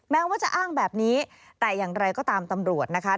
แม้ว่าจะอ้างแบบนี้แต่อย่างไรก็ตามตำรวจนะคะ